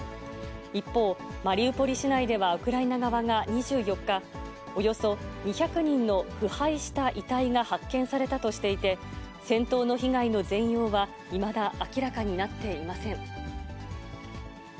一方、マリウポリ市内ではウクライナ側が２４日、およそ２００人の腐敗した遺体が発見されたとしていて、戦闘の被害の全容は、いまだ明らかになっていません。